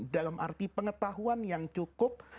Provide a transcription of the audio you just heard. dalam arti pengetahuan yang cukup